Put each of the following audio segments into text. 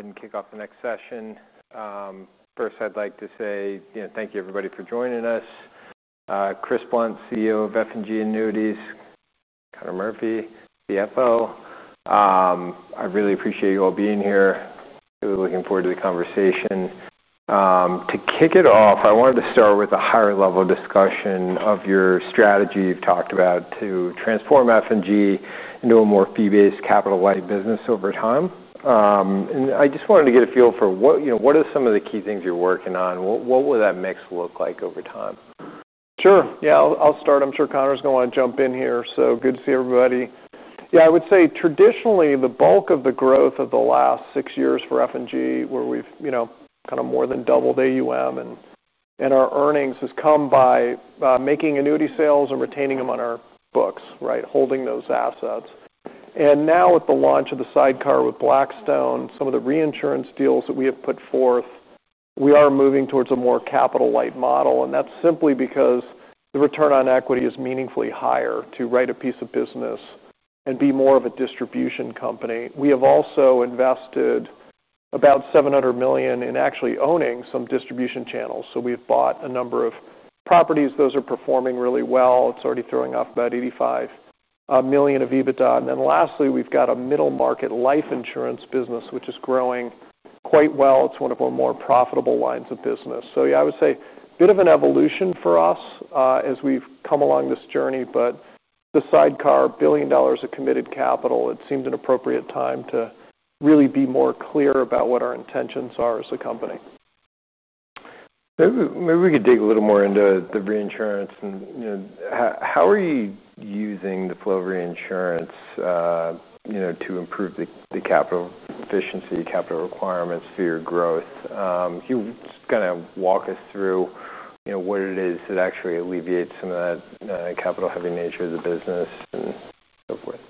All right. We will go ahead and kick off the next session. First, I'd like to say thank you, everybody, for joining us. Chris Blunt, CEO of F&G Annuities & Life, Conor Murphy, CFO. I really appreciate you all being here. Really looking forward to the conversation. To kick it off, I wanted to start with a higher-level discussion of your strategy. You've talked about transforming F&G Annuities & Life into a more fee-based, capital-light business over time. I just wanted to get a feel for what are some of the key things you're working on. What will that mix look like over time? Sure. Yeah, I'll start. I'm sure Conor's going to want to jump in here. Good to see everybody. I would say traditionally the bulk of the growth of the last six years for F&G Annuities & Life, where we've kind of more than doubled AUM and our earnings, has come by making annuity sales and retaining them on our books, right? Holding those assets. Now with the launch of the sidecar with Blackstone and some of the reinsurance deals that we have put forth, we are moving towards a more capital-light model. That's simply because the return on equity is meaningfully higher to write a piece of business and be more of a distribution company. We have also invested about $700 million in actually owning some distribution channels. We've bought a number of properties. Those are performing really well. It's already throwing off about $85 million of EBITDA. Lastly, we've got a middle market life insurance business, which is growing quite well. It's one of our more profitable lines of business. I would say a bit of an evolution for us as we've come along this journey. The sidecar, $1 billion of committed capital, it seemed an appropriate time to really be more clear about what our intentions are as a company. Maybe we could dig a little more into the reinsurance and how are you using the flow of reinsurance to improve the capital efficiency, capital requirements for your growth? Can you kind of walk us through what it is that actually alleviates some of that capital-heavy nature of the business and so forth?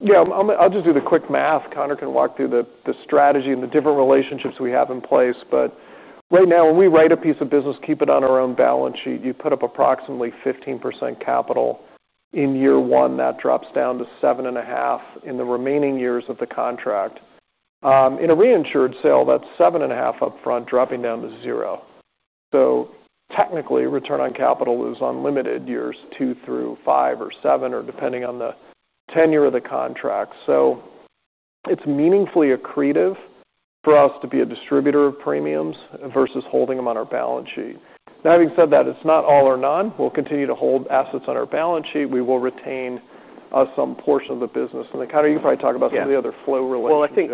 Yeah, I'll just do the quick math. Conor can walk through the strategy and the different relationships we have in place. Right now, when we write a piece of business, keep it on our own balance sheet, you put up approximately 15% capital in year one. That drops down to 7.5% in the remaining years of the contract. In a reinsured sale, that's 7.5% upfront, dropping down to zero. Technically, return on capital is unlimited years two through five or seven, depending on the tenure of the contract. It's meaningfully accretive for us to be a distributor of premiums versus holding them on our balance sheet. Having said that, it's not all or none. We'll continue to hold assets on our balance sheet. We will retain some portion of the business. Conor, you probably talk about some of the other flow-related. I think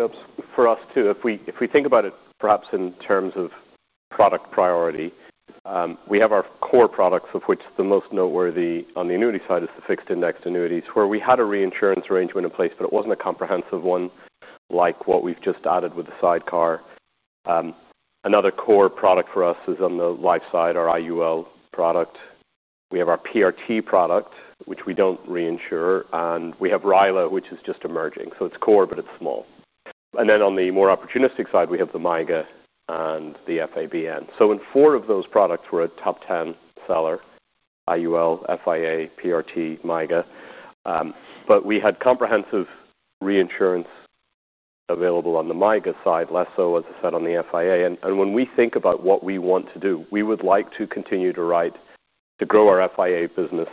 for us too, if we think about it perhaps in terms of product priority, we have our core products, of which the most noteworthy on the annuity side is the Fixed Indexed Annuities, where we had a reinsurance arrangement in place, but it wasn't a comprehensive one like what we've just added with the sidecar. Another core product for us is on the life side, our Indexed Universal Life Insurance product. We have our Pension Risk Transfer product, which we don't reinsure, and we have Ryla, which is just emerging. It's core, but it's small. On the more opportunistic side, we have the Multi-Year Guarantee Annuities and the FABN. In four of those products, we're a top 10 seller: Indexed Universal Life Insurance, Fixed Indexed Annuities, Pension Risk Transfer, Multi-Year Guarantee Annuities. We had comprehensive reinsurance available on the Multi-Year Guarantee Annuities side, less so, as I said, on the Fixed Indexed Annuities. When we think about what we want to do, we would like to continue to write to grow our Fixed Indexed Annuities business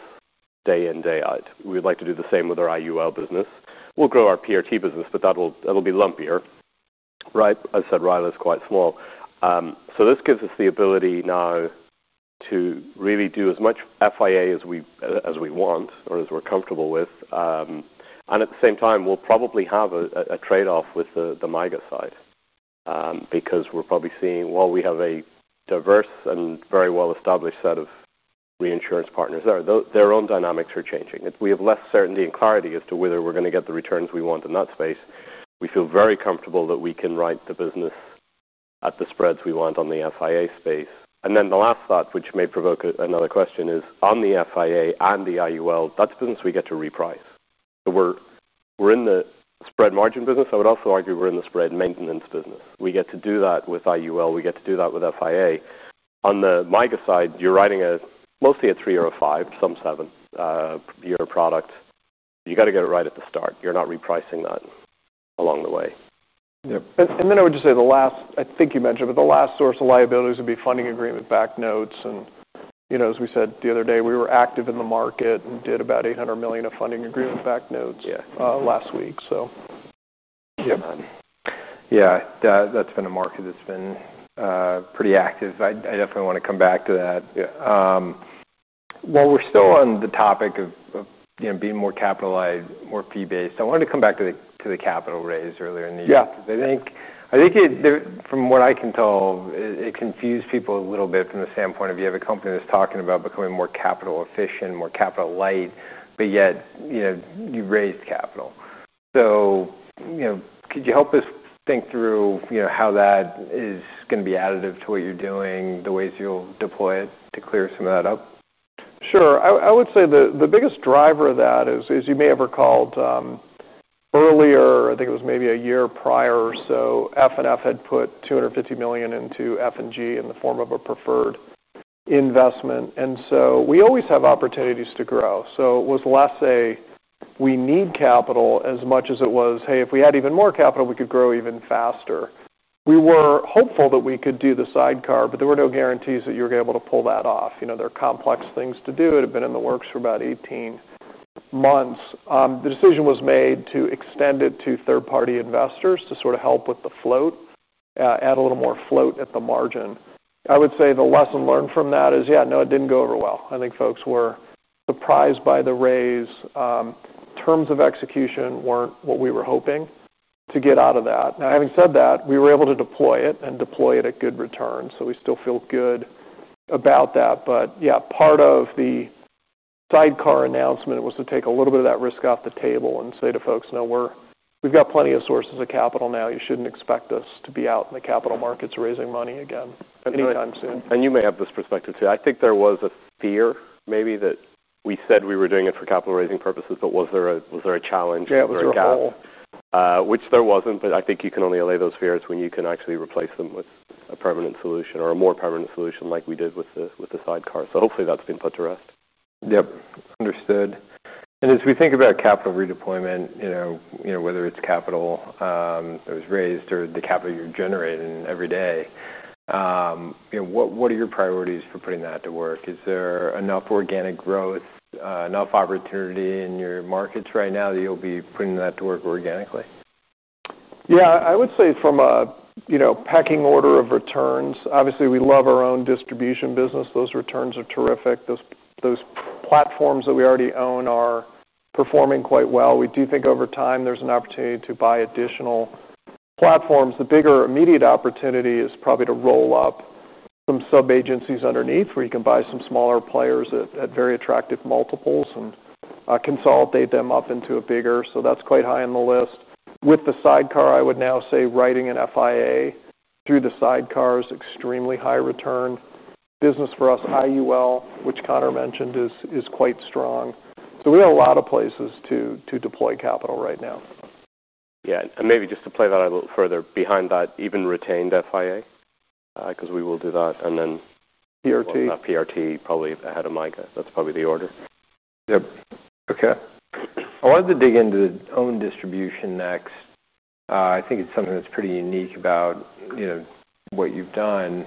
day in, day out. We would like to do the same with our Indexed Universal Life Insurance business. We'll grow our Pension Risk Transfer business, but that'll be lumpier, right? As I said, Ryla is quite small. This gives us the ability now to really do as much Fixed Indexed Annuities as we want or as we're comfortable with. At the same time, we'll probably have a trade-off with the Multi-Year Guarantee Annuities side because we're probably seeing, while we have a diverse and very well-established set of reinsurance partners there, their own dynamics are changing. We have less certainty and clarity as to whether we're going to get the returns we want in that space. We feel very comfortable that we can write the business at the spreads we want on the Fixed Indexed Annuities space. The last thought, which may provoke another question, is on the Fixed Indexed Annuities and the Indexed Universal Life Insurance, that's business we get to reprice. We're in the spread margin business. I would also argue we're in the spread maintenance business. We get to do that with Indexed Universal Life Insurance. We get to do that with Fixed Indexed Annuities. On the Multi-Year Guarantee Annuities side, you're writing mostly a three or a five, some seven-year product. You got to get it right at the start. You're not repricing that along the way. Yep. I would just say the last, I think you mentioned, but the last source of liabilities would be funding agreement back notes. As we said the other day, we were active in the market and did about $800 million of funding agreement back notes last week. Yeah, that's been a market that's been pretty active. I definitely want to come back to that. While we're still on the topic of being more capital-light, more fee-based, I wanted to come back to the capital raised earlier in the year. From what I can tell, it confused people a little bit from the standpoint of you have a company that's talking about becoming more capital-efficient, more capital-light, but yet, you raised capital. Could you help us think through how that is going to be additive to what you're doing, the ways you'll deploy it to clear some of that up? Sure. I would say the biggest driver of that is, as you may have recalled, earlier, I think it was maybe a year prior or so, F&G had put $250 million into F&G Annuities & Life in the form of a preferred investment. We always have opportunities to grow. It was less a we need capital as much as it was, hey, if we had even more capital, we could grow even faster. We were hopeful that we could do the sidecar, but there were no guarantees that you were going to be able to pull that off. They're complex things to do. It had been in the works for about 18 months. The decision was made to extend it to third-party investors to sort of help with the float, add a little more float at the margin. I would say the lesson learned from that is, yeah, no, it didn't go over well. I think folks were surprised by the raise. Terms of execution weren't what we were hoping to get out of that. Now, having said that, we were able to deploy it and deploy it at good return. We still feel good about that. Part of the sidecar announcement was to take a little bit of that risk off the table and say to folks, no, we've got plenty of sources of capital now. You shouldn't expect us to be out in the capital markets raising money again anytime soon. You may have this perspective too. I think there was a fear maybe that we said we were doing it for capital raising purposes, but was there a challenge? There wasn't, but I think you can only allay those fears when you can actually replace them with a permanent solution or a more permanent solution like we did with the sidecar. Hopefully that's been put to rest. It's understood. As we think about capital redeployment, whether it's capital that was raised or the capital you're generating every day, what are your priorities for putting that to work? Is there enough organic growth, enough opportunity in your markets right now that you'll be putting that to work organically? Yeah, I would say from a pecking order of returns, obviously we love our own distribution business. Those returns are terrific. Those platforms that we already own are performing quite well. We do think over time there's an opportunity to buy additional platforms. The bigger immediate opportunity is probably to roll up some sub-agencies underneath where you can buy some smaller players at very attractive multiples and consolidate them up into a bigger. That's quite high on the list. With the sidecar, I would now say writing an FIA through the sidecar is extremely high return business for us. IUL, which Conor mentioned, is quite strong. We've got a lot of places to deploy capital right now. Yeah, maybe just to play that a little further behind that, even retained Fixed Indexed Annuities, because we will do that. Then Pension Risk Transfer solutions, probably ahead of Multi-Year Guarantee Annuities. That's probably the order. Yep. Okay. I wanted to dig into the own distribution next. I think it's something that's pretty unique about, you know, what you've done.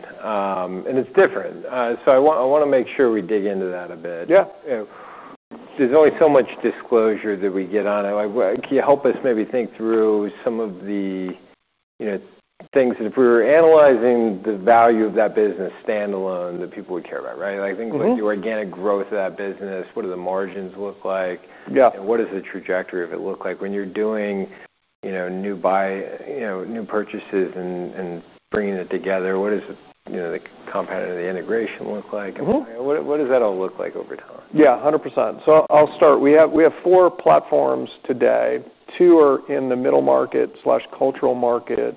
It's different. I want to make sure we dig into that a bit. Yeah. There's only so much disclosure that we get on it. Can you help us maybe think through some of the things that if we were analyzing the value of that business standalone, the people would care about, right? Like things like the organic growth of that business, what do the margins look like? Yeah. What does the trajectory of it look like when you're doing new buy, new purchases and bringing it together? What does the component of the integration look like? What does that all look like over time? Yeah, 100%. I'll start. We have four platforms today. Two are in the middle market/cultural market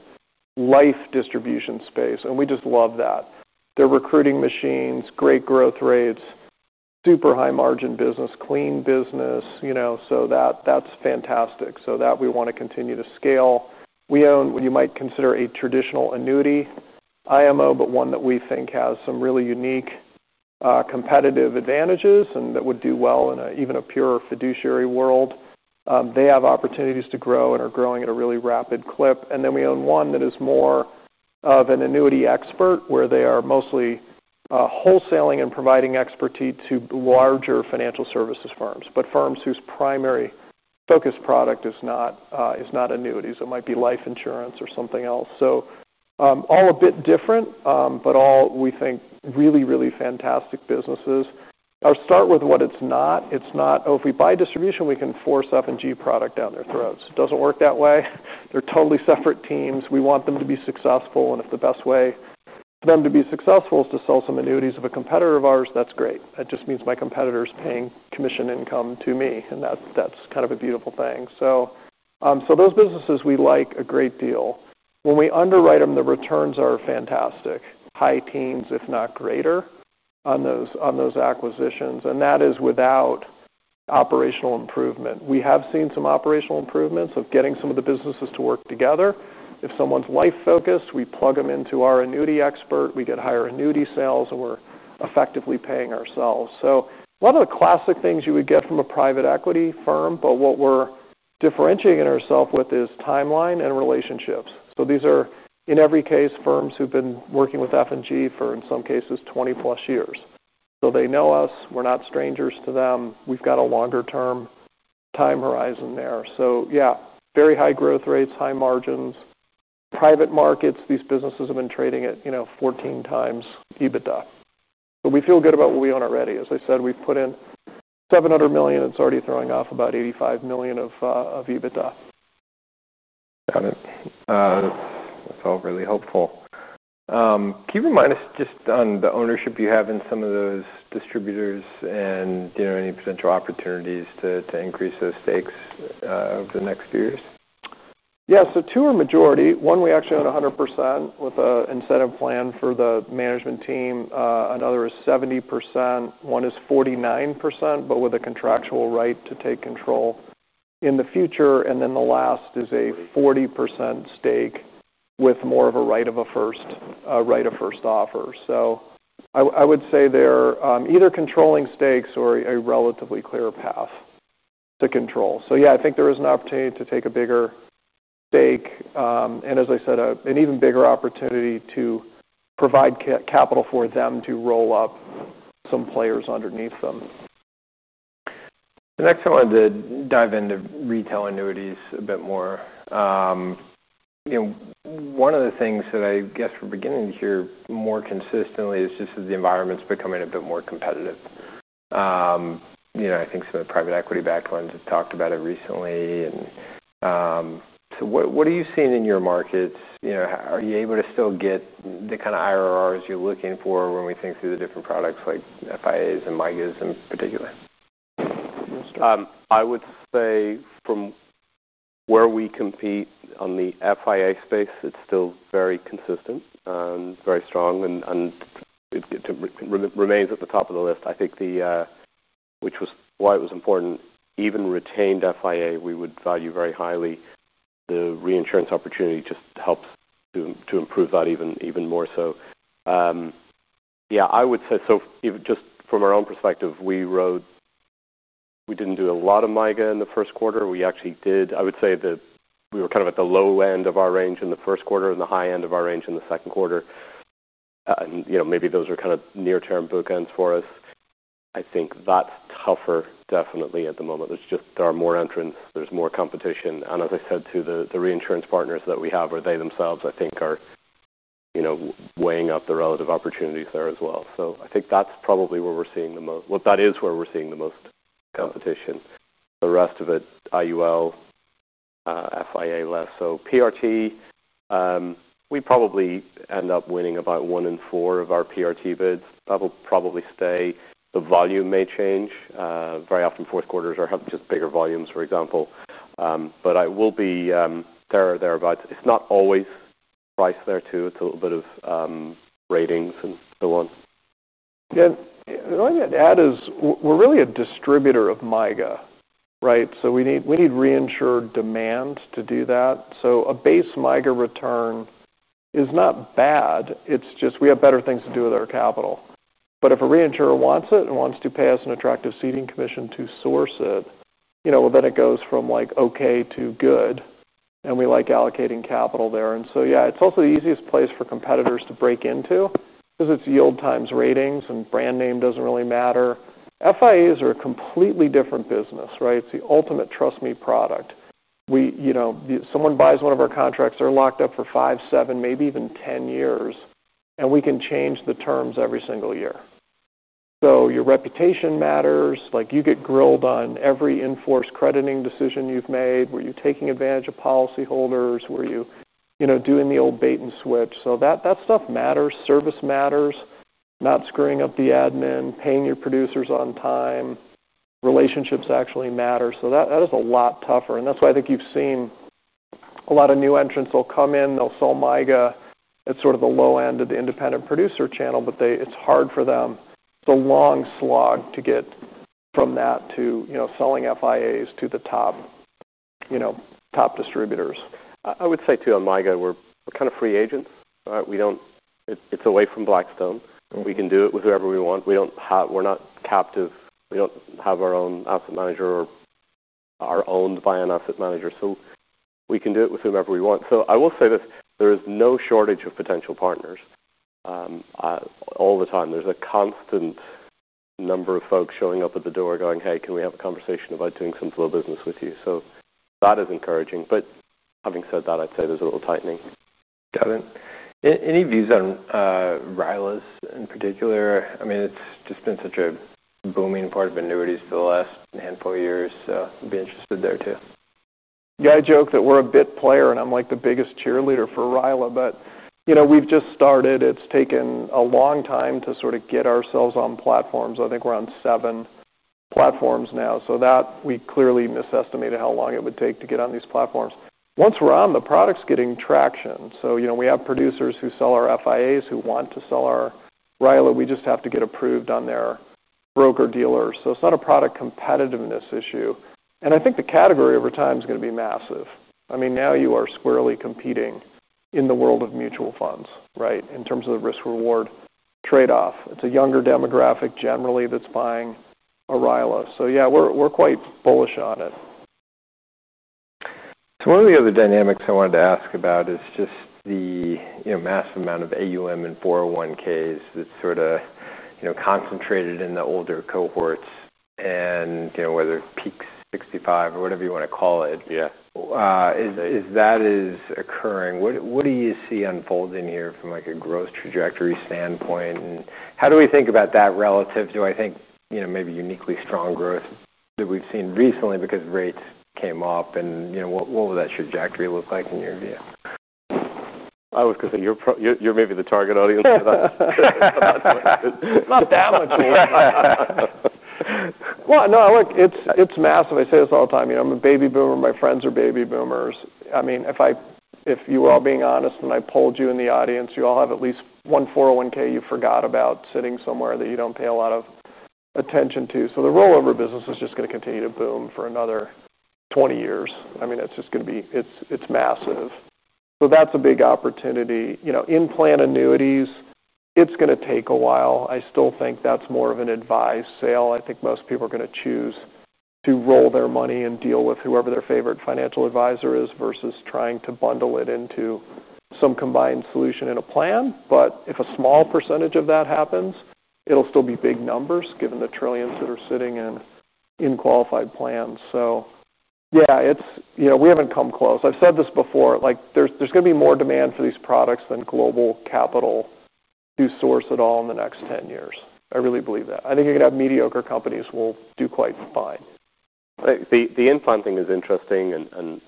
life distribution space. We just love that. They're recruiting machines, great growth rates, super high margin business, clean business, you know, that's fantastic. We want to continue to scale. We own what you might consider a traditional annuity IMO, but one that we think has some really unique competitive advantages and that would do well in even a pure fiduciary world. They have opportunities to grow and are growing at a really rapid clip. We own one that is more of an annuity expert where they are mostly wholesaling and providing expertise to larger financial services firms, but firms whose primary focus product is not annuities. It might be life insurance or something else. All a bit different, but all we think really, really fantastic businesses. I'll start with what it's not. It's not, oh, if we buy distribution, we can force F&G product down their throats. It doesn't work that way. They're totally separate teams. We want them to be successful. If the best way for them to be successful is to sell some annuities of a competitor of ours, that's great. That just means my competitor is paying commission income to me, and that's kind of a beautiful thing. Those businesses we like a great deal. When we underwrite them, the returns are fantastic, high teens, if not greater on those acquisitions, and that is without operational improvement. We have seen some operational improvements of getting some of the businesses to work together. If someone's life-focused, we plug them into our annuity expert, we get higher annuity sales, and we're effectively paying ourselves. One of the classic things you would get from a private equity firm, but what we're differentiating ourselves with is timeline and relationships. These are, in every case, firms who've been working with F&G for, in some cases, 20 plus years. They know us. We're not strangers to them. We've got a longer term time horizon there. Very high growth rates, high margins. Private markets, these businesses have been trading at 14 times EBITDA. We feel good about what we own already. As I said, we've put in $700 million. It's already throwing off about $85 million of EBITDA. Got it. That's all really helpful. Can you remind us just on the ownership you have in some of those distributors, and any potential opportunities to increase those stakes over the next few years? Yeah, so two are majority. One, we actually own 100% with an incentive plan for the management team. Another is 70%. One is 49%, but with a contractual right to take control in the future. The last is a 40% stake with more of a right of a first offer. I would say they're either controlling stakes or a relatively clear path to control. I think there is an opportunity to take a bigger stake. As I said, an even bigger opportunity to provide capital for them to roll up some players underneath them. The next time I wanted to dive into retail annuities a bit more. One of the things that I guess we're beginning to hear more consistently is just as the environment's becoming a bit more competitive. I think some of the private equity-backed ones have talked about it recently. What are you seeing in your markets? Are you able to still get the kind of IRRs you're looking for when we think through the different products like FIAs and MIGAs in particular? I would say from where we compete on the FIA space, it's still very consistent and very strong, and it remains at the top of the list. I think, which was why it was important, even retained FIA, we would value very highly. The reinsurance opportunity just helps to improve that even more. I would say just from our own perspective, we didn't do a lot of MIGA in the first quarter. We actually did. I would say that we were kind of at the low end of our range in the first quarter and the high end of our range in the second quarter. You know, maybe those are kind of near-term bookends for us. I think that's tougher definitely at the moment. There are more entrants, there's more competition. As I said to the reinsurance partners that we have, or they themselves, I think are weighing up the relative opportunities there as well. I think that's probably where we're seeing the most, that is where we're seeing the most competition. The rest of it's IUL, FIA less. PRT, we probably end up winning about one in four of our PRT bids. That will probably stay. The volume may change. Very often fourth quarters are just bigger volumes, for example. I will be there about, it's not always price there too. It's a little bit of ratings and so on. Yeah, the only thing I'd add is we're really a distributor of MIGA, right? We need reinsured demand to do that. A base MIGA return is not bad. It's just we have better things to do with our capital. If a reinsurer wants it and wants to pay us an attractive ceding commission to source it, you know, it goes from like okay to good. We like allocating capital there. It's also the easiest place for competitors to break into because it's yield times ratings and brand name doesn't really matter. FIAs are a completely different business, right? It's the ultimate trust me product. Someone buys one of our contracts, they're locked up for five, seven, maybe even 10 years. We can change the terms every single year. Your reputation matters. You get grilled on every in-force crediting decision you've made. Were you taking advantage of policyholders? Were you, you know, doing the old bait and switch? That stuff matters. Service matters. Not screwing up the admin, paying your producers on time, relationships actually matter. That is a lot tougher. I think you've seen a lot of new entrants, they'll come in, they'll sell MIGA at sort of the low end of the independent producer channel, but it's hard for them. It's a long slog to get from that to, you know, selling FIAs to the top, you know, top distributors. I would say too, on MIGA, we're kind of free agents. We don't, it's away from Blackstone. We can do it with whoever we want. We're not captive. We don't have our own asset manager or are owned by an asset manager. We can do it with whomever we want. I will say this, there is no shortage of potential partners all the time. There's a constant number of folks showing up at the door going, "Hey, can we have a conversation about doing some flow business with you?" That is encouraging. Having said that, I'd say there's a little tightening. Got it. Any views on RILAs in particular? I mean, it's just been such a booming part of annuities for the last handful of years. I'd be interested there too. Yeah, I joke that we're a bit player and I'm like the biggest cheerleader for Ryla, but we've just started. It's taken a long time to sort of get ourselves on platforms. I think we're on seven platforms now. We clearly misestimated how long it would take to get on these platforms. Once we're on, the product's getting traction. We have producers who sell our Fixed Indexed Annuities, who want to sell our Ryla. We just have to get approved on their broker-dealers. It's not a product competitiveness issue. I think the category over time is going to be massive. I mean, now you are squarely competing in the world of mutual funds, right? In terms of the risk-reward trade-off, it's a younger demographic generally that's buying a Ryla. Yeah, we're quite bullish on it. One of the other dynamics I wanted to ask about is just the massive amount of AUM and 401(k)s that's sort of concentrated in the older cohorts and whether it peaks at 65 or whatever you want to call it. Is that occurring? What do you see unfolding here from a growth trajectory standpoint? How do we think about that relative to, I think, maybe uniquely strong growth that we've seen recently because rates came up and what would that trajectory look like in your view? I was going to say you're maybe the target audience for that. Not that much more. I look, it's massive. I say this all the time. You know, I'm a baby boomer. My friends are baby boomers. I mean, if you were all being honest and I polled you in the audience, you all have at least one 401(k) you forgot about sitting somewhere that you don't pay a lot of attention to. The rollover business is just going to continue to boom for another 20 years. I mean, it's just going to be, it's massive. That's a big opportunity. In-plan annuities, it's going to take a while. I still think that's more of an advice sale. I think most people are going to choose to roll their money and deal with whoever their favorite financial advisor is versus trying to bundle it into some combined solution in a plan. If a small percentage of that happens, it'll still be big numbers given the trillions that are sitting in qualified plans. We haven't come close. I've said this before, there's going to be more demand for these products than global capital to source it all in the next 10 years. I really believe that. I think you're going to have mediocre companies who will do quite fine. The in-plan thing is interesting and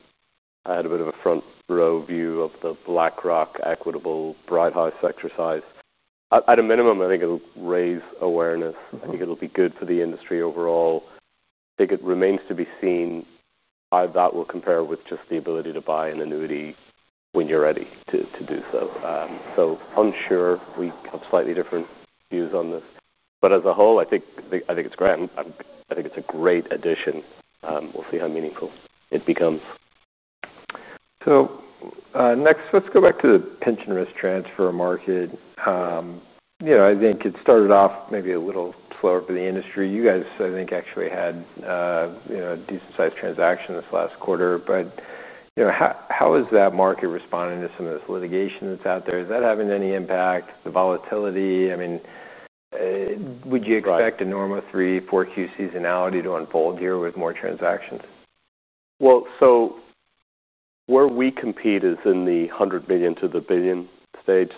I had a bit of a front row view of the BlackRock Equitable BrightHouse exercise. At a minimum, I think it'll raise awareness. I think it'll be good for the industry overall. I think it remains to be seen how that will compare with just the ability to buy an annuity when you're ready to do so. I'm sure we have slightly different views on this. As a whole, I think it's great. I think it's a great addition. We'll see how meaningful it becomes. Next, let's go back to the Pension Risk Transfer market. I think it started off maybe a little slower for the industry. You guys, I think, actually had a decent sized transaction this last quarter. How is that market responding to some of this litigation that's out there? Is that having any impact? The volatility? Would you expect a normal three, four Q seasonality to unfold here with more transactions? Where we compete is in the $100 million to $1 billion stage.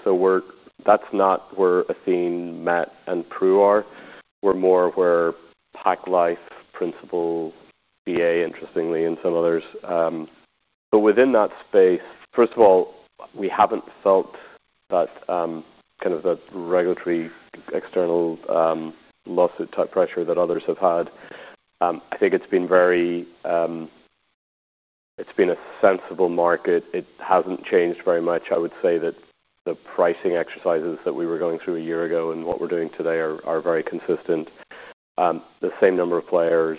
That's not where Athene, Matt, and Prue are. We're more where PacLife, Principal, BA, interestingly, and some others are. Within that space, first of all, we haven't felt that kind of regulatory, external lawsuit-type pressure that others have had. I think it's been a sensible market. It hasn't changed very much. I would say that the pricing exercises that we were going through a year ago and what we're doing today are very consistent. The same number of players.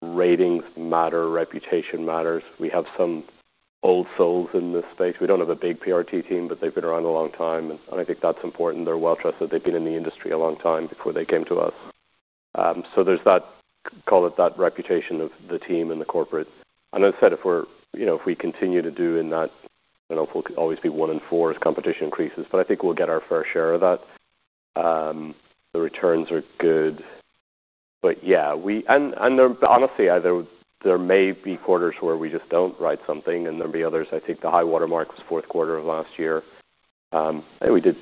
Ratings matter. Reputation matters. We have some old souls in this space. We don't have a big Pension Risk Transfer team, but they've been around a long time. I think that's important. They're well trusted. They've been in the industry a long time before they came to us. There's that, call it, reputation of the team and the corporate. If we continue to do that, I don't know if we'll always be one in four as competition increases, but I think we'll get our fair share of that. The returns are good. Honestly, there may be quarters where we just don't write something and there'll be others. I think the high watermark was fourth quarter of last year. I think we did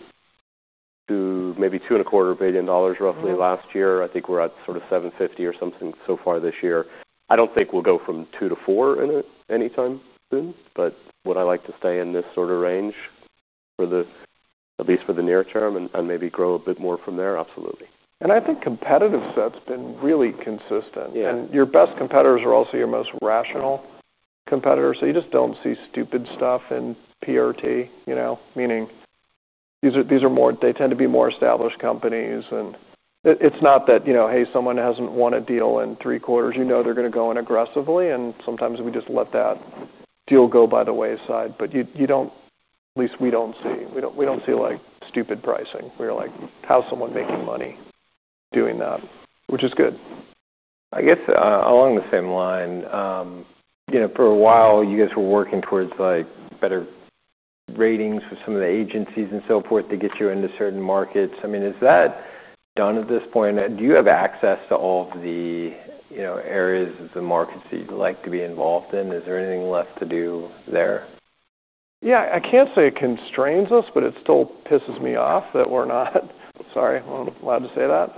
maybe $2.25 billion roughly last year. I think we're at sort of $750 million or something so far this year. I don't think we'll go from $2 billion to $4 billion in it anytime soon, but would I like to stay in this sort of range for this, at least for the near term and maybe grow a bit more from there? Absolutely. I think the competitive set's been really consistent. Your best competitors are also your most rational competitors. You just don't see stupid stuff in PRT, meaning these tend to be more established companies. It's not that, you know, hey, someone hasn't won a deal in three quarters, they're going to go in aggressively. Sometimes we just let that deal go by the wayside, but at least we don't see, we don't see like stupid pricing. We're like, how's someone making money doing that? Which is good. I guess along the same line, for a while you guys were working towards better ratings for some of the agencies and so forth to get you into certain markets. Is that done at this point? Do you have access to all of the areas of the markets that you'd like to be involved in? Is there anything left to do there? Yeah, I can't say it constrains us, but it still pisses me off that we're not—sorry, I'm allowed to say that.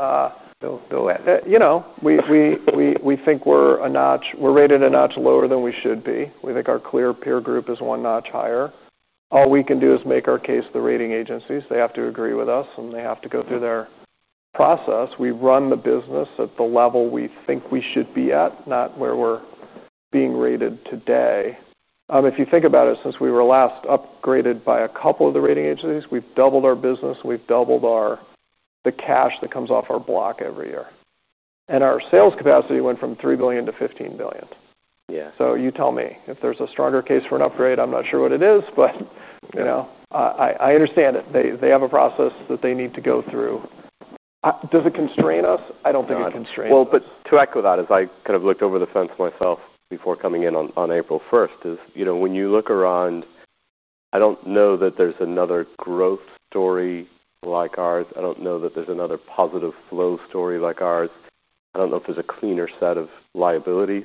We think we're a notch, we're rated a notch lower than we should be. We think our clear peer group is one notch higher. All we can do is make our case to the rating agencies. They have to agree with us, and they have to go through their process. We run the business at the level we think we should be at, not where we're being rated today. If you think about it, since we were last upgraded by a couple of the rating agencies, we've doubled our business. We've doubled the cash that comes off our block every year, and our sales capacity went from $3 billion to $15 billion. You tell me, if there's a stronger case for an upgrade, I'm not sure what it is, but I understand it. They have a process that they need to go through. Does it constrain us? I don't think it constrains us. To echo that, as I kind of looked over the fence myself before coming in on April 1st, you know, when you look around, I don't know that there's another growth story like ours. I don't know that there's another positive flow story like ours. I don't know if there's a cleaner set of liabilities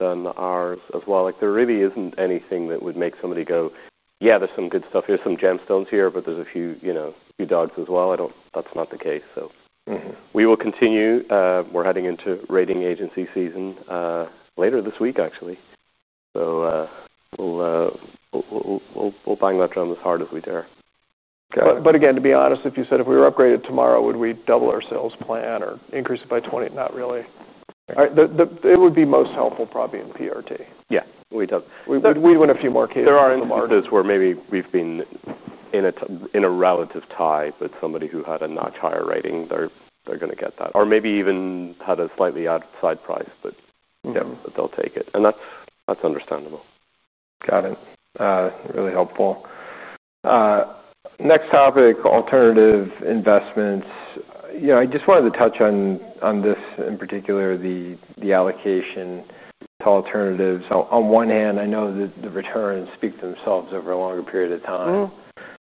than ours as well. There really isn't anything that would make somebody go, yeah, there's some good stuff here, some gemstones here, but there's a few, you know, a few dogs as well. That's not the case. We will continue. We're heading into rating agency season later this week, actually. We'll bang that drum as hard as we dare. To be honest, if you said if we were upgraded tomorrow, would we double our sales plan or increase it by 20%? Not really. It would be most helpful probably in PRT. Yeah, we took. We'd win a few more cases. There are instances where maybe we've been in a relative tie, but somebody who had a notch higher rating, they're going to get that. Or maybe even had a slightly outside price, but yeah, they'll take it. That's understandable. Got it. Really helpful. Next topic, alternative investments. I just wanted to touch on this in particular, the allocation to alternatives. On one hand, I know that the returns speak for themselves over a longer period of time.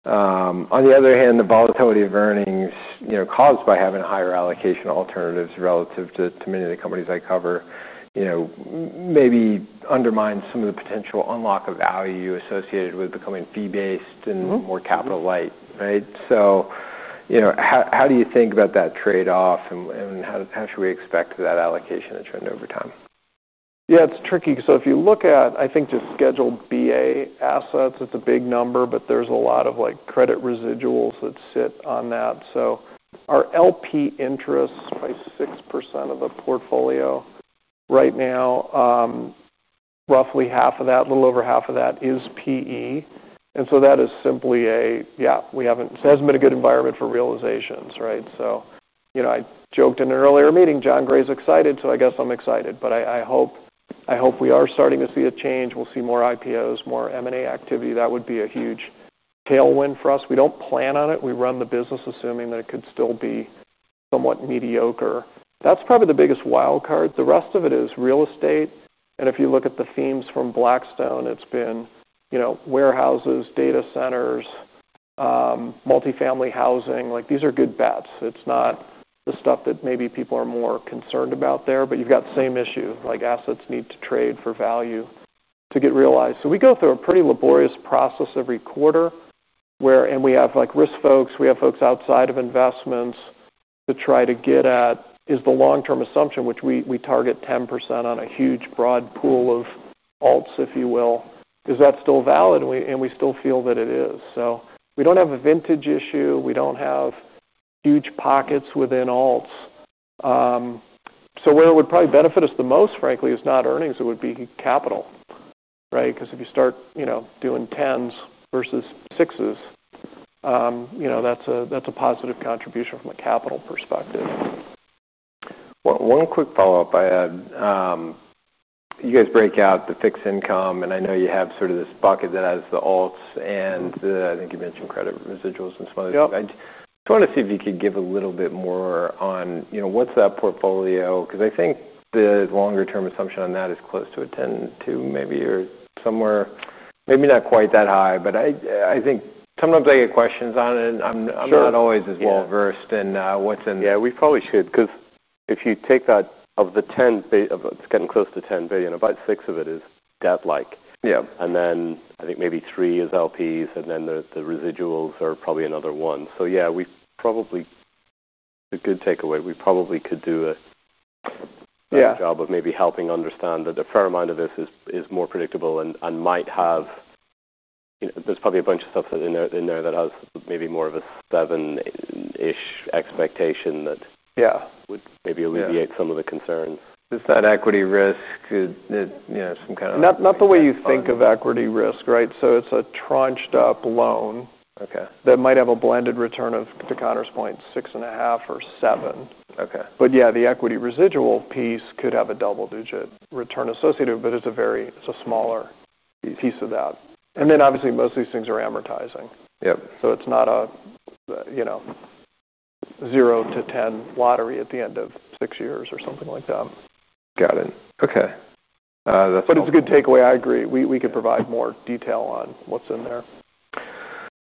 On the other hand, the volatility of earnings caused by having a higher allocation to alternatives relative to many of the companies I cover maybe undermines some of the potential unlock of value associated with becoming fee-based and more capital-light, right? How do you think about that trade-off and how should we expect that allocation to trend over time? Yeah, it's tricky. If you look at, I think, the Schedule BA assets, it's a big number, but there's a lot of credit residuals that sit on that. Our LP interests by 6% of the portfolio right now, roughly half of that, a little over half of that, is PE. That is simply a, yeah, it hasn't been a good environment for realizations, right? I joked in an earlier meeting, John Gray's excited, so I guess I'm excited. I hope we are starting to see a change. We'll see more IPOs, more M&A activity. That would be a huge tailwind for us. We don't plan on it. We run the business assuming that it could still be somewhat mediocre. That's probably the biggest wild card. The rest of it is real estate. If you look at the themes from Blackstone, it's been warehouses, data centers, multifamily housing, these are good bets. It's not the stuff that maybe people are more concerned about there, but you've got the same issue, assets need to trade for value to get realized. We go through a pretty laborious process every quarter where we have risk folks, we have folks outside of investments to try to get at, is the long-term assumption, which we target 10% on a huge broad pool of alts, if you will, is that still valid? We still feel that it is. We don't have a vintage issue. We don't have huge pockets within alts. Where it would probably benefit us the most, frankly, is not earnings. It would be capital, right? If you start doing tens versus sixes, that's a positive contribution from a capital perspective. One quick follow-up I had. You guys break out the fixed income, and I know you have sort of this bucket that has the alts, and I think you mentioned credit residuals and some others. I just wanted to see if you could give a little bit more on, you know, what's that portfolio? I think the longer-term assumption on that is close to a 10% to maybe, or somewhere, maybe not quite that high, but I think sometimes I get questions on it. I'm not always as well-versed in what's in. Yeah, we probably should, because if you take that of the $10 billion, it's getting close to $10 billion, about $6 billion of it is debt-like. Yeah, and then I think maybe $3 billion is LPs, and then the residuals are probably another $1 billion. Yeah, we probably, a good takeaway, we probably could do a job of maybe helping understand that a fair amount of this is more predictable and might have, you know, there's probably a bunch of stuff that's in there that has maybe more of a 7% expectation that would maybe alleviate some of the concerns. Is that equity risk? Is it, you know, some kind of? Not the way you think of equity risk, right? It's a tranched-up loan, okay, that might have a blended return of, to Conor's point, 6.5% or 7%. The equity residual piece could have a double-digit return associated with it, but it's a smaller piece of that. Obviously, most of these things are amortizing, so it's not a zero to 10 lottery at the end of six years or something like that. Got it. Okay. It's a good takeaway. I agree. We could provide more detail on what's in there.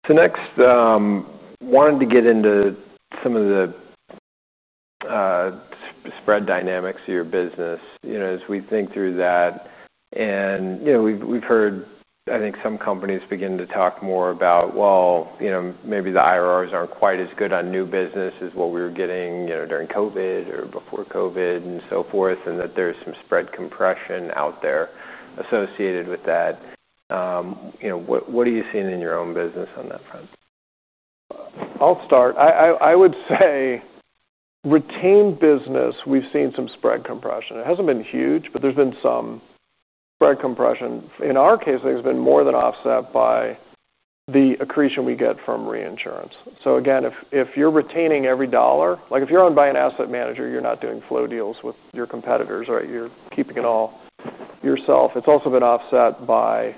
Next, I wanted to get into some of the spread dynamics of your business as we think through that. We've heard, I think, some companies begin to talk more about, maybe the IRRs aren't quite as good on new business as what we were getting during COVID or before COVID and so forth, and that there's some spread compression out there associated with that. What are you seeing in your own business on that front? I'll start. I would say retained business, we've seen some spread compression. It hasn't been huge, but there's been some spread compression. In our case, I think it's been more than offset by the accretion we get from reinsurance. If you're retaining every dollar, like if you're owned by an asset manager, you're not doing flow deals with your competitors, right? You're keeping it all yourself. It's also been offset by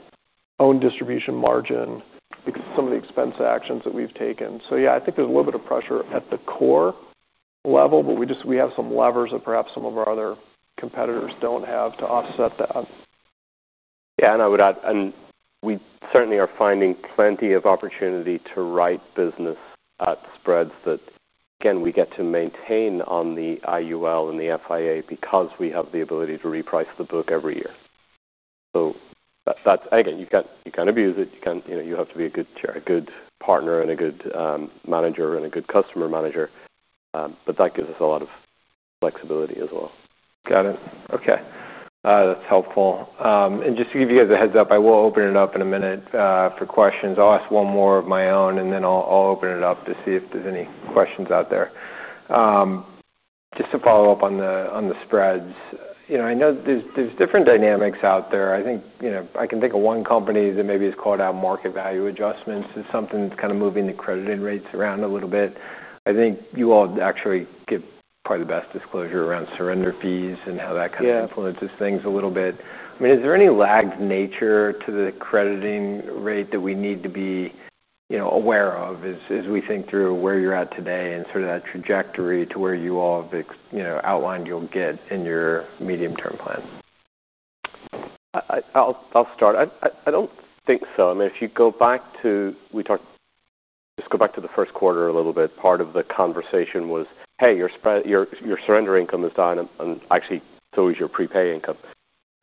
owned distribution margin because of some of the expense actions that we've taken. I think there's a little bit of pressure at the core level, but we have some levers that perhaps some of our other competitors don't have to offset that. Yeah, I would add, we certainly are finding plenty of opportunity to write business at spreads that, again, we get to maintain on the IUL and the FIA because we have the ability to reprice the book every year. You can abuse it, you have to be a good partner and a good manager and a good customer manager. That gives us a lot of flexibility as well. Got it. Okay. That's helpful. Just to give you guys a heads up, I will open it up in a minute for questions. I'll ask one more of my own, and then I'll open it up to see if there's any questions out there. Just to follow up on the spreads, I know there's different dynamics out there. I think I can think of one company that maybe has called out market value adjustments. It's something that's kind of moving the crediting rates around a little bit. I think you all actually give probably the best disclosure around surrender fees and how that kind of influences things a little bit. Is there any lagged nature to the crediting rate that we need to be aware of as we think through where you're at today and sort of that trajectory to where you all have outlined you'll get in your medium-term plan? I'll start. I don't think so. If you go back to, we talked, just go back to the first quarter a little bit. Part of the conversation was, hey, your surrender income is done, and actually, so is your prepay income.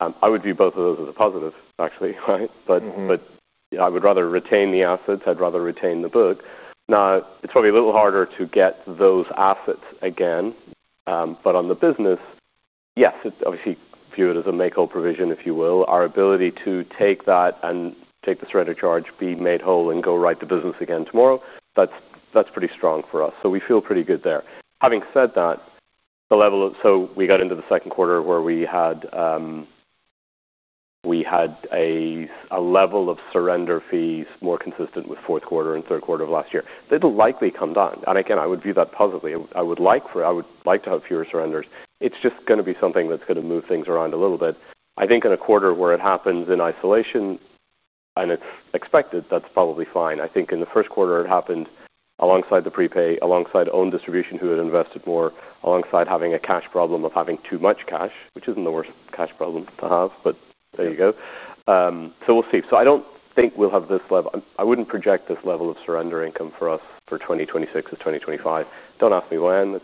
I would view both of those as a positive, actually, right? I would rather retain the assets. I'd rather retain the book. It's probably a little harder to get those assets again. On the business, yes, obviously view it as a make-whole provision, if you will. Our ability to take that and take the surrender charge, be made whole, and go write the business again tomorrow, that's pretty strong for us. We feel pretty good there. Having said that, we got into the second quarter where we had a level of surrender fees more consistent with fourth quarter and third quarter of last year. They'd likely come down. I would view that positively. I would like to have fewer surrenders. It's just going to be something that's going to move things around a little bit. I think in a quarter where it happens in isolation, and it's expected, that's probably fine. I think in the first quarter it happened alongside the prepay, alongside owned distribution who had invested more, alongside having a cash problem of having too much cash, which isn't the worst cash problem to have, but there you go. We'll see. I don't think we'll have this level. I wouldn't project this level of surrender income for us for 2026 or 2025. Don't ask me when.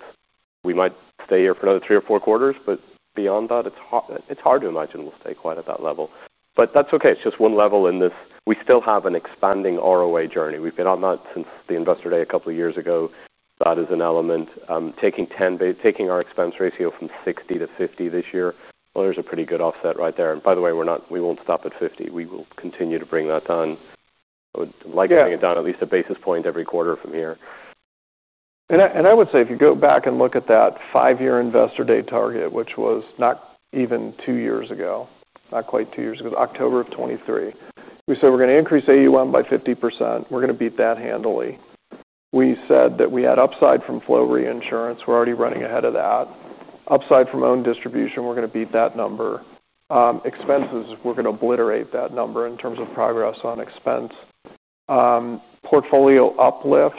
We might stay here for another three or four quarters, but beyond that, it's hard to imagine we'll stay quiet at that level. That's okay. It's just one level in this. We still have an expanding ROA journey. We've been on that since the investor day a couple of years ago. That is an element. Taking our expense ratio from 60 to 50 this year, there's a pretty good offset right there. By the way, we won't stop at 50. We will continue to bring that down. I would like to bring it down at least a basis point every quarter from here. I would say if you go back and look at that five-year investor day target, which was not even two years ago, not quite two years ago, October of 2023, we said we're going to increase AUM by 50%. We're going to beat that handily. We said that we had upside from flow reinsurance. We're already running ahead of that. Upside from owned distribution, we're going to beat that number. Expenses, we're going to obliterate that number in terms of progress on expense. Portfolio uplift,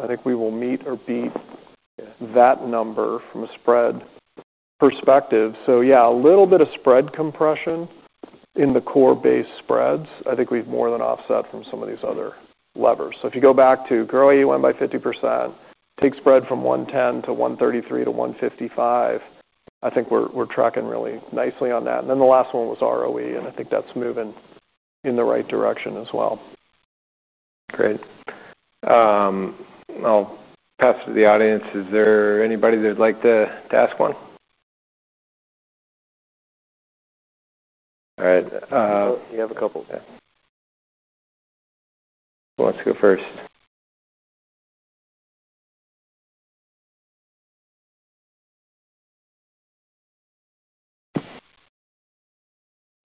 I think we will meet or beat that number from a spread perspective. Yeah, a little bit of spread compression in the core base spreads. I think we've more than offset from some of these other levers. If you go back to grow AUM by 50%, take spread from 110 to 133 to 155, I think we're tracking really nicely on that. The last one was ROE, and I think that's moving in the right direction as well. Great. I'll pass it to the audience. Is there anybody that'd like to ask one? All right. You have a couple. Who wants to go first?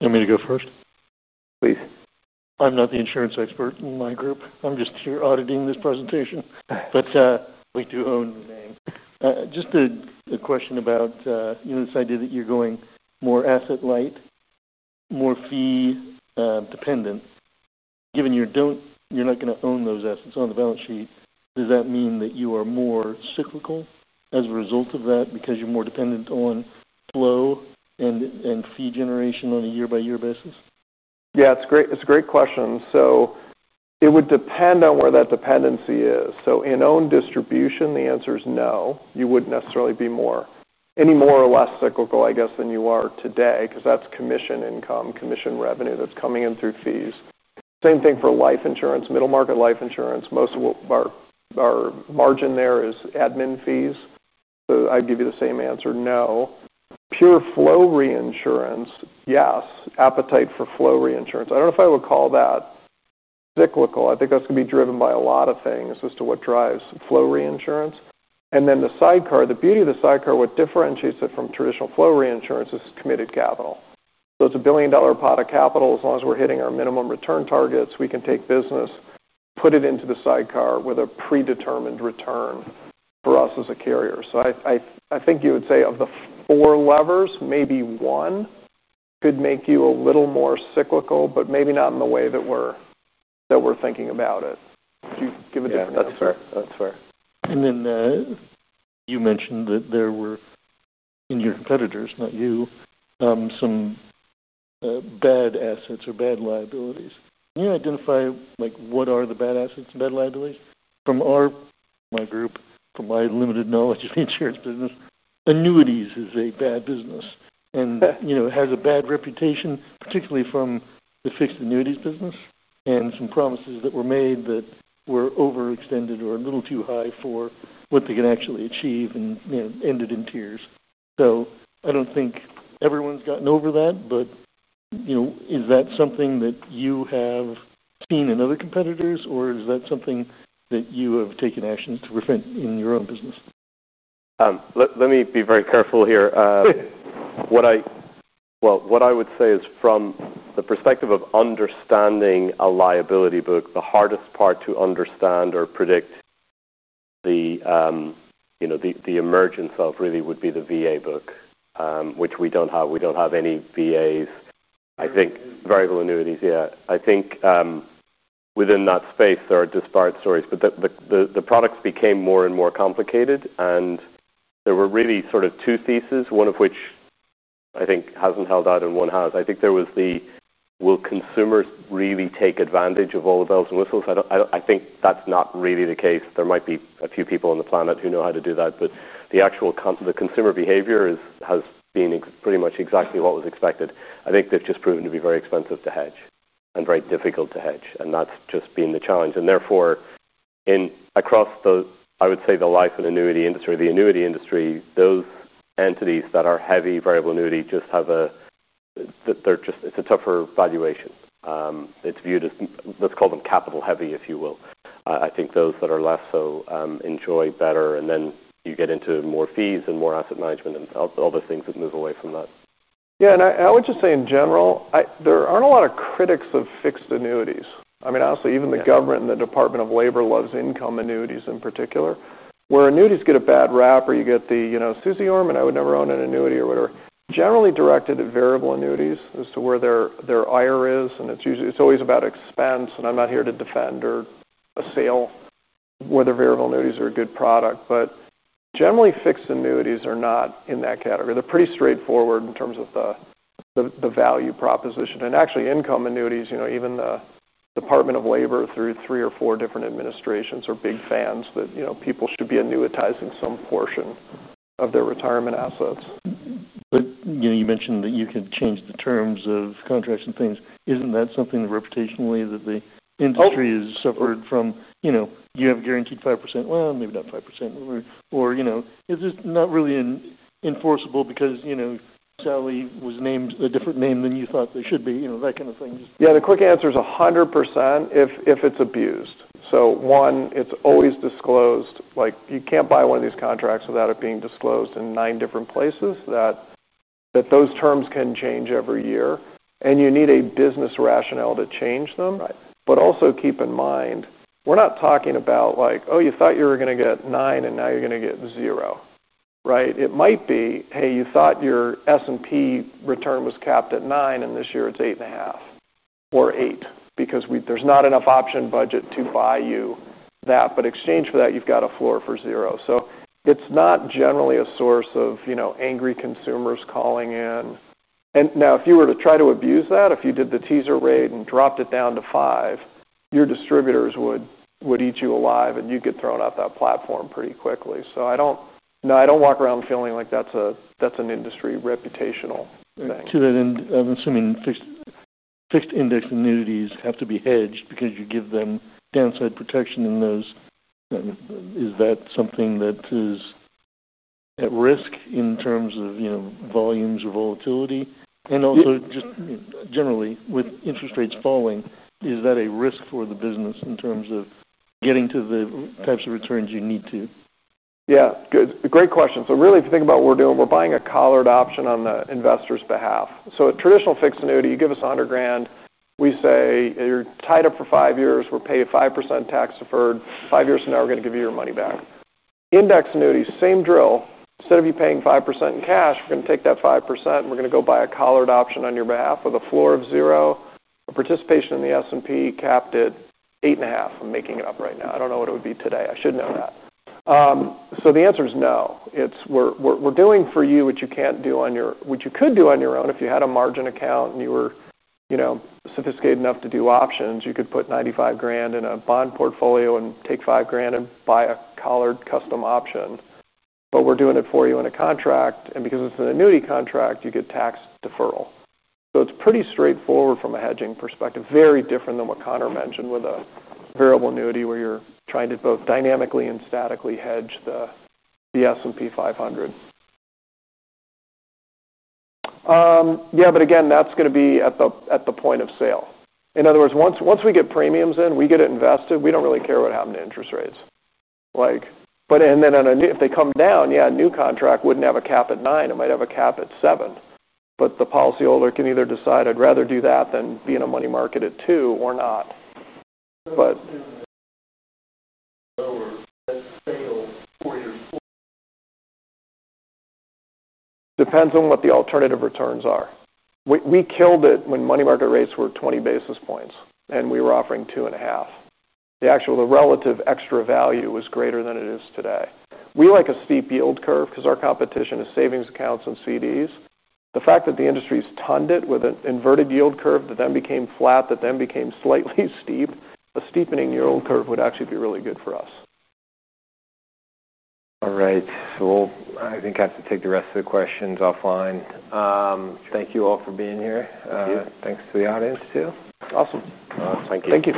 I'm going to go first. Please. I'm not the insurance expert in my group. I'm just here auditing this presentation. We do own names. Just a question about, you know, this idea that you're going more asset-light, more fee-dependent. Given you're not going to own those assets on the balance sheet, does that mean that you are more cyclical as a result of that because you're more dependent on flow and fee generation on a year-by-year basis? Yeah, it's great. It's a great question. It would depend on where that dependency is. In owned distribution, the answer is no, you wouldn't necessarily be any more or less cyclical, I guess, than you are today because that's commission income, commission revenue that's coming in through fees. Same thing for life insurance, middle market life insurance. Most of our margin there is admin fees. I'd give you the same answer, no. Pure flow reinsurance, yes, appetite for flow reinsurance. I don't know if I would call that cyclical. I think that's going to be driven by a lot of things as to what drives flow reinsurance. The sidecar, the beauty of the sidecar, what differentiates it from traditional flow reinsurance is committed capital. It's a $1 billion pot of capital. As long as we're hitting our minimum return targets, we can take business, put it into the sidecar with a predetermined return for us as a carrier. I think you would say of the four levers, maybe one could make you a little more cyclical, but maybe not in the way that we're thinking about it. If you give a different answer. That's fair. That's fair. You mentioned that there were in your competitors, not you, some bad assets or bad liabilities. Can you identify what are the bad assets and bad liabilities? From my group, from my limited knowledge of the insurance business, annuities is a bad business. It has a bad reputation, particularly from the fixed annuities business and some promises that were made that were overextended or a little too high for what they could actually achieve and ended in tears. I don't think everyone's gotten over that, but is that something that you have seen in other competitors or is that something that you have taken actions to prevent in your own business? Let me be very careful here. What I would say is from the perspective of understanding a liability book, the hardest part to understand or predict the emergence of really would be the VA book, which we don't have. We don't have any VAs. I think variable annuities, yeah. I think within that space, there are disparate stories, but the products became more and more complicated and there were really sort of two theses, one of which I think hasn't held out and one has. I think there was the, will consumers really take advantage of all the bells and whistles? I think that's not really the case. There might be a few people on the planet who know how to do that, but the actual consumer behavior has been pretty much exactly what was expected. I think they've just proven to be very expensive to hedge and very difficult to hedge, and that's just been the challenge. Therefore, across the, I would say, the life and annuity industry, the annuity industry, those entities that are heavy variable annuity just have a, it's a tougher valuation. It's viewed as, let's call them capital heavy, if you will. I think those that are less so enjoy better, and then you get into more fees and more asset management and all those things that move away from that. Yeah, and I would just say in general, there aren't a lot of critics of fixed annuities. I mean, honestly, even the government and the Department of Labor loves income annuities in particular. Where annuities get a bad rap or you get the, you know, Suze Orman, I would never own an annuity or whatever, generally directed at variable annuities as to where their IRR is, and it's usually, it's always about expense, and I'm not here to defend or assail whether variable annuities are a good product, but generally fixed annuities are not in that category. They're pretty straightforward in terms of the value proposition. Actually, income annuities, you know, even the Department of Labor through three or four different administrations are big fans that, you know, people should be annuitizing some portion of their retirement assets. You mentioned that you could change the terms of contracts and things. Isn't that something reputationally that the industry has suffered from? You have guaranteed 5%, well, maybe not 5%, or is this not really enforceable because Sally was named a different name than you thought they should be, that kind of thing. Yeah, the quick answer is 100% if it's abused. It's always disclosed, like you can't buy one of these contracts without it being disclosed in nine different places that those terms can change every year, and you need a business rationale to change them. Also, keep in mind, we're not talking about like, oh, you thought you were going to get nine and now you're going to get zero, right? It might be, hey, you thought your S&P return was capped at nine and this year it's eight and a half or eight because there's not enough option budget to buy you that, but in exchange for that, you've got a floor for zero. It's not generally a source of angry consumers calling in. If you were to try to abuse that, if you did the teaser rate and dropped it down to five, your distributors would eat you alive and you'd get thrown out that platform pretty quickly. I don't walk around feeling like that's an industry reputational thing. To that end, I'm assuming Fixed Indexed Annuities have to be hedged because you give them downside protection in those. Is that something that is at risk in terms of, you know, volumes or volatility? Also, just generally with interest rates falling, is that a risk for the business in terms of getting to the types of returns you need to? Yeah, great question. If you think about what we're doing, we're buying a collared option on the investor's behalf. A traditional fixed annuity, you give us $100,000, we say you're tied up for five years, we're paying 5% tax deferred, five years from now we're going to give you your money back. Index annuity, same drill. Instead of you paying 5% in cash, we're going to take that 5% and we're going to go buy a collared option on your behalf with a floor of zero, a participation in the S&P capped at 8.5%. I'm making it up right now. I don't know what it would be today. I should know that. The answer is no. We're doing for you what you can't do on your, what you could do on your own if you had a margin account and you were, you know, sophisticated enough to do options, you could put $95,000 in a bond portfolio and take $5,000 and buy a collared custom option. We're doing it for you in a contract, and because it's an annuity contract, you get tax deferral. It's pretty straightforward from a hedging perspective, very different than what Conor mentioned with a variable annuity where you're trying to both dynamically and statically hedge the S&P 500. That's going to be at the point of sale. In other words, once we get premiums in, we get it invested, we don't really care what happened to interest rates. If they come down, a new contract wouldn't have a cap at 9%, it might have a cap at 7%. The policyholder can either decide they'd rather do that than be in a money market at 2% or not. It depends on what the alternative returns are. We killed it when money market rates were 20 basis points and we were offering 2.5%. The actual, the relative extra value was greater than it is today. We like a steep yield curve because our competition is savings accounts and CDs. The fact that the industry's turned it with an inverted yield curve that then became flat, that then became slightly steeped, a steepening yield curve would actually be really good for us. All right. I think I have to take the rest of the questions offline. Thank you all for being here. Thanks to the audience too. Awesome. Thank you.